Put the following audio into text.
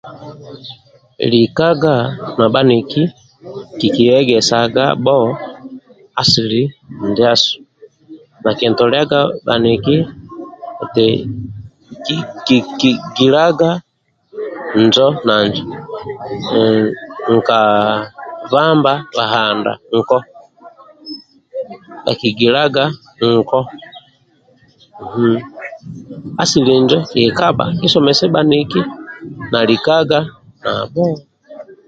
Likagaga na bhaniki kikiegesaga bho asili ndiasu bhakintoliaga bhaniki nti ki ki ki gilaga injo na nijo mmm nka bamba bahanda nko bhakigilaga nko mmm asili injo kikikaga kisomese bhaniki na likaga nabho